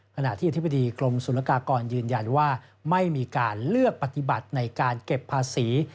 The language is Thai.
ขณะที่อธิบดีกรมศุลกากรยืนยันว่าไม่มีการเลือกปฏิบัติในการเก็บภาษี